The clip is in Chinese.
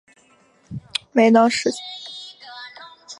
不过这个愿望并没能实现。